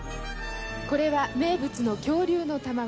これは名物の恐竜の卵。